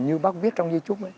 như bác viết trong dây trúc ấy